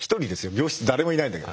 病室誰もいないんだけど。